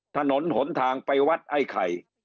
ถนนหนทางไปวัดไอ้ไข่